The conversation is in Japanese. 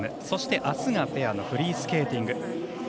そして、あすがペアのフリースケーティング。